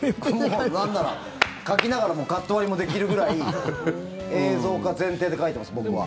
なんなら、書きながらカット割りもできるくらい映像化前提で書いてます、僕は。